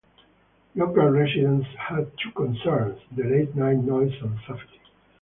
Local residents had two concerns: the late-night noise and safety.